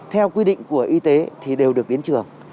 theo quy định của y tế thì đều được đến trường